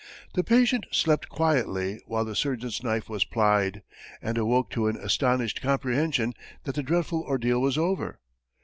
The patient slept quietly while the surgeon's knife was plied, and awoke to an astonished comprehension that the dreadful ordeal was over.